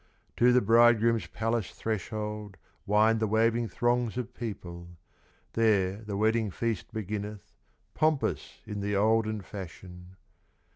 To the bridegroom's palace threshold, Wind the waving throngs of people; There the wedding feast beginneth, Pompous in the olden fashion.